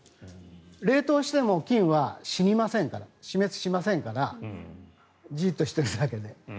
冷凍しても菌は死にません、死滅しませんからじっとしてるだけで。